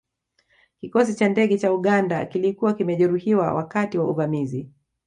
Kikosi cha ndege cha Uganda kilikuwa kimejeruhiwa wakati wa uvamizi